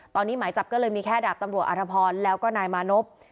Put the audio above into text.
ตอนนี้หมายจับก็เลยมีแค่ดาบตำรวจอธพรแล้วก็นายมานพ